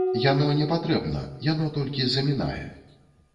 Яно непатрэбна, яно толькі замінае.